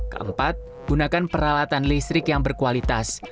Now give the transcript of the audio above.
keempat gunakan peralatan listrik yang berkualitas